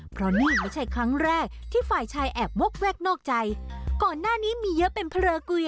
เพราะนี่ไม่ใช่คลั้งแรกที่ฝ่ายชายแอบมกแวกนอกใจ